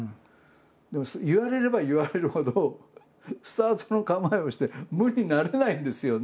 でも言われれば言われるほどスタートの構えをして無になれないんですよね。